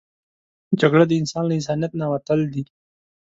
جګړه د انسان له انسانیت نه وتل دي